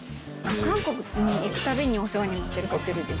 「韓国に行くたびにお世話になってるホテルです」。